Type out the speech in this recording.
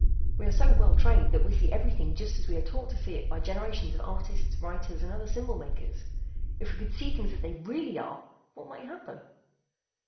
We are so well trained that we see everything just as we are taught to see it by generations of artists, writers, and other symbol makers. If we could see things as they really are, what might happen?"